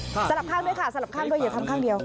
สลับข้างด้วยค่ะสลับข้างด้วยอย่าทำข้างเดียว